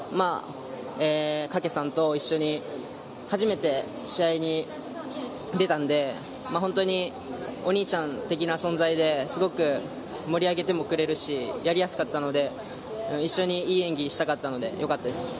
かけさんと一緒に初めて試合に出たんで本当に、お兄ちゃん的な存在ですごく盛り上げてもくれるしやりやすかったので、一緒にいい演技したかったのでよかったです。